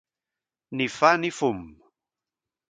Ni fa, ni fum.